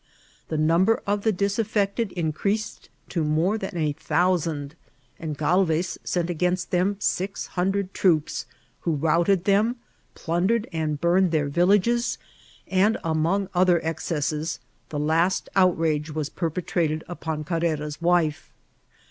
The number of the disaffected increased to oxne than a thousand, and Ghd^ez sent against them six hundred troops, who routed them, jdundered and burned their villages, and, among other excesses, the last outrage was perpetrated upon Carrera's wife.